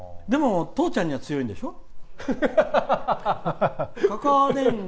でも、父ちゃんには強いんでしょ？